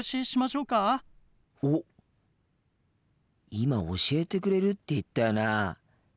今教えてくれるって言ったよな。